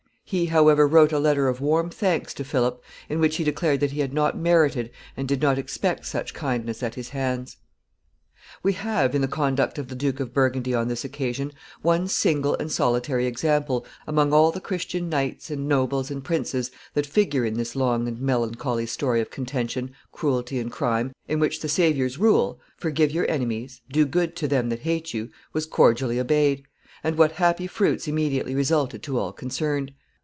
He, however, wrote a letter of warm thanks to Philip, in which he declared that he had not merited and did not expect such kindness at his hands. [Sidenote: A rare example.] We have, in the conduct of the Duke of Burgundy on this occasion, one single and solitary example, among all the Christian knights, and nobles, and princes that figure in this long and melancholy story of contention, cruelty, and crime, in which the Savior's rule, Forgive your enemies, do good to them that hate you, was cordially obeyed; and what happy fruits immediately resulted to all concerned!